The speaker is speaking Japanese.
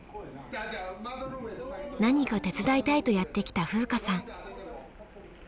何か手伝いたいとやって来た風花さん。